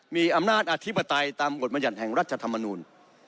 มีอำนาจอธิปไตยตามกฎมยัติแห่งรัฐธรรมนูล